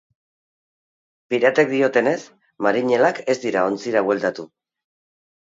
Piratek diotenez, marinelak ez dira ontzira bueltatu.